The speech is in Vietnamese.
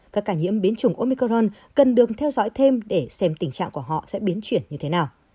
các ca nhiễm biến chủng omicron cần được theo dõi thêm để xem tình trạng của họ sẽ biến chuyển như thế nào